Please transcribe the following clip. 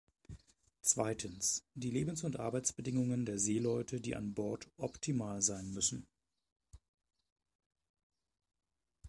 Zweitens die Lebens- und Arbeitsbedingungen der Seeleute, die an Bord optimal sein müssen.